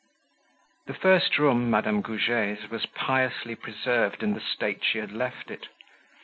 The first room, Madame Goujet's, was piously preserved in the state she had left it.